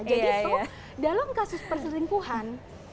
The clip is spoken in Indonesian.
jadi so dalam kasus perselingkuhan